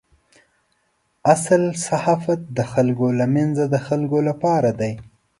اصل صحافت د خلکو له منځه د خلکو لپاره دی.